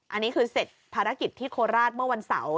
อันนี้คือเสร็จภารกิจที่โคราชเมื่อวันเสาร์